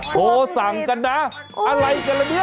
โทรสั่งกันนะอะไรกันละเนี่ย